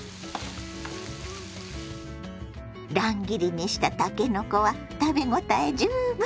乱切りにしたたけのこは食べ応え十分。